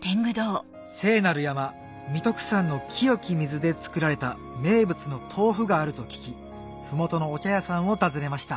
聖なる山三徳山の清き水で作られた名物の豆腐があると聞き麓のお茶屋さんを訪ねました